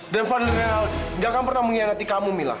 dan fadl rialdi gak akan pernah mengkhianati kamu mila